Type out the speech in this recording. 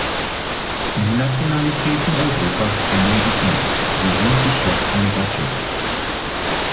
Die Nationalitäten Europas ändern sich nicht, sie sind die Schöpfung Gottes.